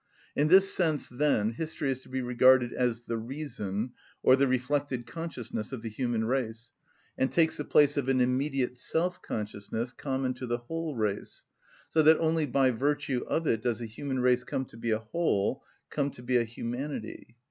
In this sense, then, history is to be regarded as the reason, or the reflected consciousness, of the human race, and takes the place of an immediate self‐consciousness common to the whole race, so that only by virtue of it does the human race come to be a whole, come to be a humanity.